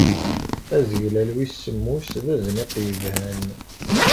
Azeglal wis semmus d azniq yebhan.